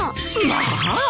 まあ！